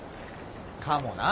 かもな。